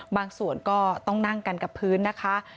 บางส่วนก็ต้องนั่งกันกับพื้นนะคะ